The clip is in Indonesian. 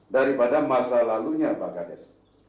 daripada masa lalunya pak kades